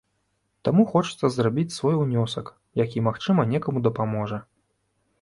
Таму хочацца зрабіць свой унёсак, які магчыма, некаму дапаможа.